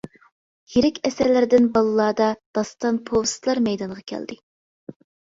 يىرىك ئەسەرلەردىن باللادا، داستان، پوۋېستلار مەيدانغا كەلدى.